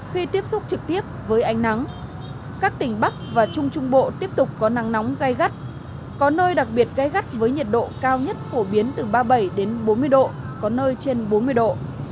khi tiếp xúc trực tiếp với ánh nắng các tỉnh bắc và trung trung bộ tiếp tục có nắng nóng gai gắt có nơi đặc biệt gai gắt với nhiệt độ cao nhất phổ biến từ ba mươi bảy bốn mươi độ có nơi trên bốn mươi độ